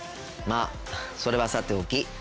まあそれはさておき